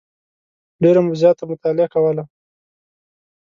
ډېره زیاته مطالعه کوله.